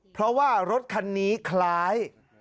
เพราะว่ารถคันนี้คล้าย